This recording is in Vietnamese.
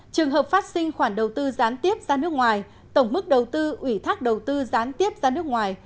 trường hợp phát sinh khoản đầu tư gián tiếp ra nước ngoài tổng mức đầu tư ủy thác đầu tư gián tiếp ra nước ngoài